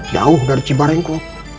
jauh dari cibaringko